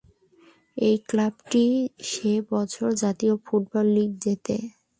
এই ক্লাবটি সে বছর জাতীয় ফুটবল লিগ জেতে।